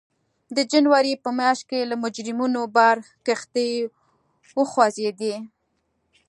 د جنورۍ په میاشت کې له مجرمینو بار کښتۍ وخوځېدې.